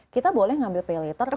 kita boleh ngambil pay letter kalau